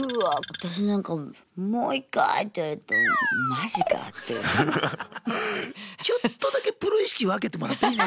私なんか「もう一回！」って言われるとちょっとだけプロ意識分けてもらっていい？